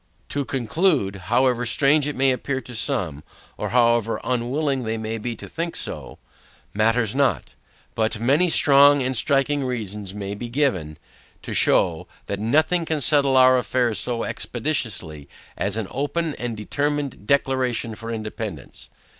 [*Note 1] TO CONCLUDE, however strange it may appear to some, or however unwilling they may be to think so, matters not, but many strong and striking reasons may be given, to shew, that nothing can settle our affairs so expeditiously as an open and determined declaration for independance.